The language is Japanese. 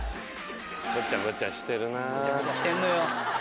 ごちゃごちゃしてんのよ。